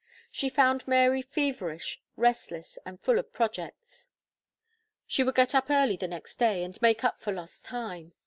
She found Mary feverish, restless, and full of projects. She would get up early the next day, and make up for lost time.